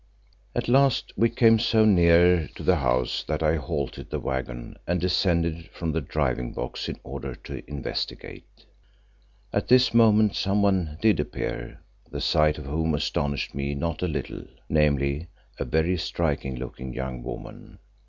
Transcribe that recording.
At last we came so near to the house that I halted the waggon and descended from the driving box in order to investigate. At this moment someone did appear, the sight of whom astonished me not a little, namely, a very striking looking young woman.